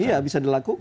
iya bisa dilakukan